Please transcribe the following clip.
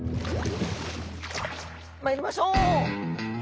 まいりましょう！